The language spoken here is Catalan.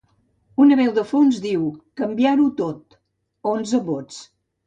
Una veu de fons diu: Canviar-ho tot: onze vots.